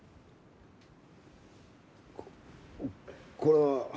ここれは。